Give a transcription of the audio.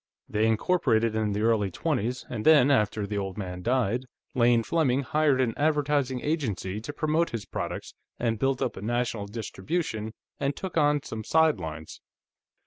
They incorporated in the early twenties, and then, after the old man died, Lane Fleming hired an advertising agency to promote his products, and built up a national distribution, and took on some sidelines.